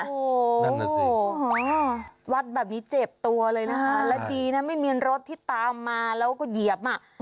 โอ้โหวัดแบบนี้เจ็บตัวเลยนะคะและดีนะไม่มีรถที่ตามมาแล้วก็เหยียบอ่ะ